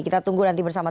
kita tunggu nanti bersama